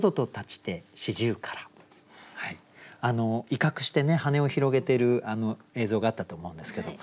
威嚇してね羽を広げてる映像があったと思うんですけど